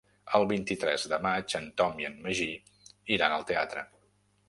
El vint-i-tres de maig en Tom i en Magí iran al teatre.